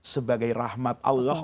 sebagai rahmat allah